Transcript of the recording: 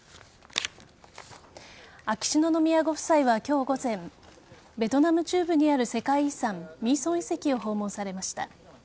秋篠宮ご夫妻は今日午前ベトナム中部にある世界遺産ミーソン遺跡を訪問されました。